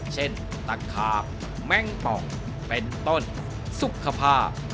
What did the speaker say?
ตะขาบแม่งป่องเป็นต้นสุขภาพ